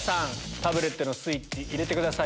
タブレットのスイッチ入れてください